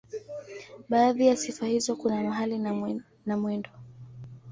Baadhi ya sifa hizo kuna mahali na mwendo.